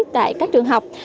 tại các trường hợp